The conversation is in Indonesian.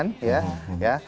kurang jangka ya